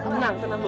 tenang tenang bu